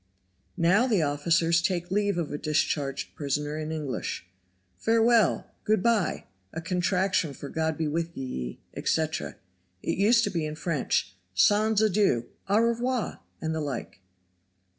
Now the officers take leave of a discharged prisoner in English. Farewell; good by! a contraction for God be wi' ye etc. It used to be in French, Sans adieu! au revoir! and the like.